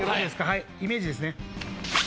はいイメージですね